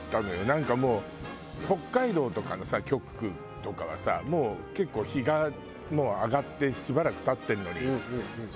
なんかもう北海道とかの局とかはさもう結構日が上がってしばらく経ってるのに。